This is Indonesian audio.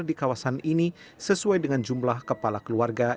di kawasan ini sesuai dengan jumlah kepala keluarga